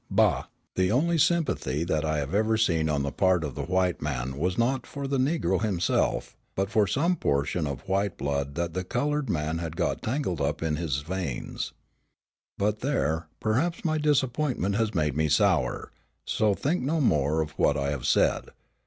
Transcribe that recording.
Bah! The only sympathy that I have ever seen on the part of the white man was not for the negro himself, but for some portion of white blood that the colored man had got tangled up in his veins. "But there, perhaps my disappointment has made me sour, so think no more of what I have said.